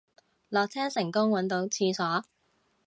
落車成功搵到廁所